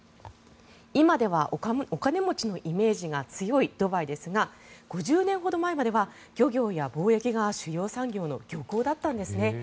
今ではお金持ちのイメージが強いドバイですが５０年ほど前までは漁業や貿易が主要産業の漁港だったんですね。